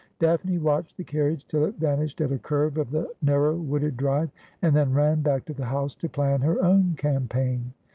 Daphne watched the carriage till it vanished at a curve of the narrow wooded drive, and then ran back to the house to plan her own campaign.